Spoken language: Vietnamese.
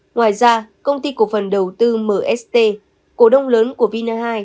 ngoài ra công ty cổ phần đầu tư mst cổ đông lớn của vina hai